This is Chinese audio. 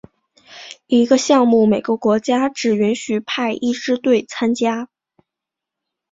一个项目每个国家只允许派一支队参加。